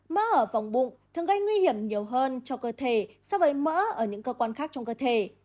mơ ở vòng bụng thường gây nguy hiểm nhiều hơn cho cơ thể so với mỡ ở những cơ quan khác trong cơ thể